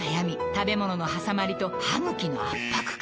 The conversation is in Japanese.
食べ物のはさまりと歯ぐきの圧迫感